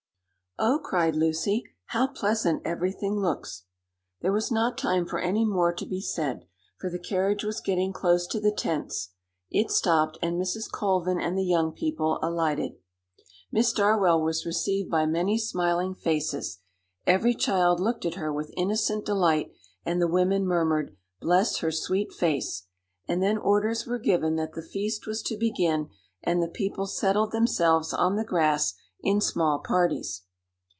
"Oh!" cried Lucy, "how pleasant everything looks!" There was not time for any more to be said, for the carriage was getting close to the tents; it stopped, and Mrs. Colvin and the young people alighted. Miss Darwell was received by many smiling faces; every child looked at her with innocent delight, and the women murmured, "Bless her sweet face!" And then orders were given that the feast was to begin, and the people settled themselves on the grass in small parties.